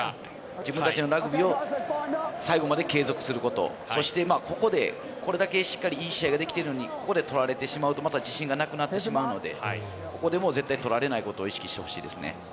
自分たちのラグビーを最後まで継続すること、そしてここで、これだけしっかりいい試合ができてるのに、ここで取られてしまうと、また自信がなくなってしまうので、ここでもう絶対に取られないことを意識してほしいですね。